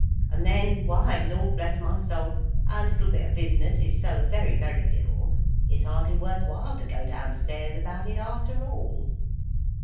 And then, why, Lord bless my soul, our little bit of business is so very, very little, it's hardly worth while to go downstairs about it, after all.